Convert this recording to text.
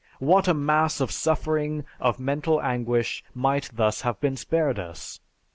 What a mass of suffering, of mental anguish might thus have been spared us!